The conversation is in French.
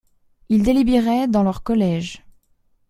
Ils délibéraient dans leur collège.